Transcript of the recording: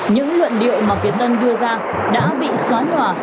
những luận điệu mà việt tân đưa ra đã bị xóa nhòa